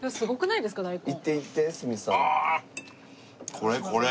これこれ。